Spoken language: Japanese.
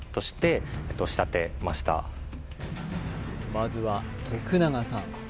まずは永さん